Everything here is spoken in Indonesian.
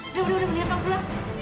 udah udah udah lihat aku keluar